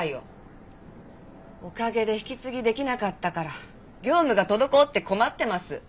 おかげで引き継ぎできなかったから業務が滞って困ってます。